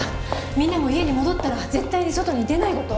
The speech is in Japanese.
みんなも家に戻ったら絶対に外に出ないこと。